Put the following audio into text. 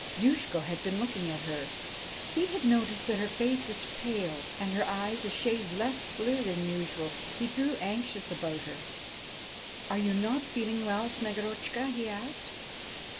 Youshko had been looking at her ; he had noticed that her face was pale and her eyes a shade less blue than usual. He grew anxious about her. 'Are you not feeling well, Snegorotchka?' he asked.